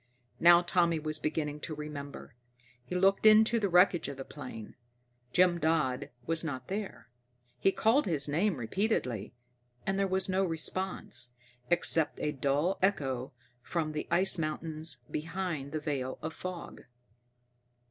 Now Tommy was beginning to remember. He looked into the wreckage of the plane. Jim Dodd was not there. He called his name repeatedly, and there was no response, except a dull echo from the ice mountains behind the veil of fog.